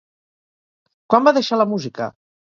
Quan va deixar la música?